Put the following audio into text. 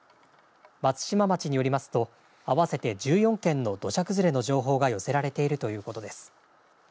松島町によりますと、合わせて１４件の土砂崩れの情報が寄せられているということです。